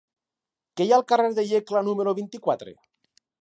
Què hi ha al carrer de Iecla número vint-i-quatre?